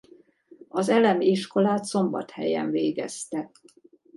Az elemi iskolát Szombathelyen végezte.